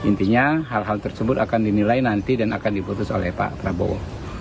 intinya hal hal tersebut akan dinilai nanti dan akan diputus oleh pak prabowo